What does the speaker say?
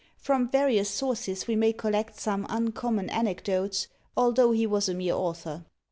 From various sources we may collect some uncommon anecdotes, although he was a mere author.